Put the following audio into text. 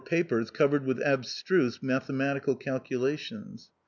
145 papers covered with abstruse mathematical calculations.